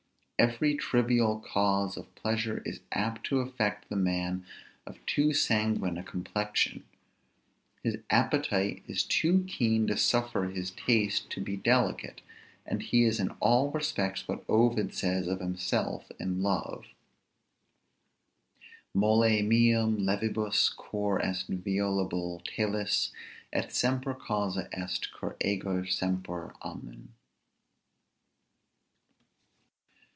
Every trivial cause of pleasure is apt to affect the man of too sanguine a complexion: his appetite is too keen to suffer his taste to be delicate; and he is in all respects what Ovid says of himself in love, Molle meum levibus cor est violabile telis, Et semper causa est, cur ego semper amem.